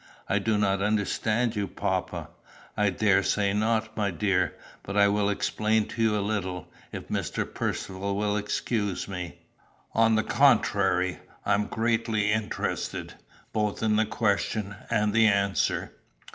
"I do not understand you, papa." "I daresay not, my dear. But I will explain to you a little, if Mr. Percivale will excuse me." "On the contrary, I am greatly interested, both in the question and the answer."